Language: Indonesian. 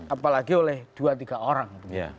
apalagi oleh dua tiga orang